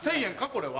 これは。